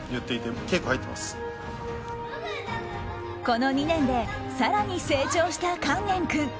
この２年で更に成長した勸玄君。